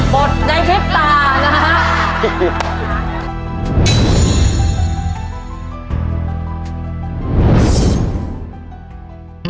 บทในเทปต่างนะฮะ